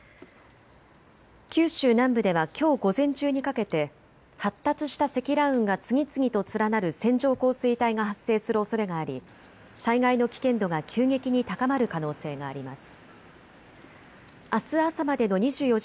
九州南部ではきょう午前中にかけて発達した積乱雲が次々と連なる線状降水帯が発生するおそれがあり災害の危険度が急激に高まる可能性があります。